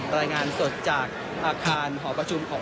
รายงานสดจากอาคารหอประชุมของ